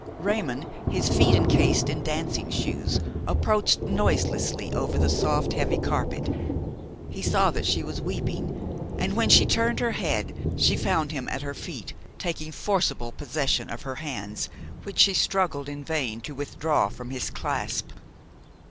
Raymon, his feet encased in dancing shoes, approached noiselessly over the soft, heavy carpet. He saw that she was weeping, and, when she turned her head, she found him at her feet, taking forcible possession of her hands, which she struggled in vain to withdraw from his clasp.